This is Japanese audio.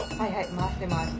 回して回して。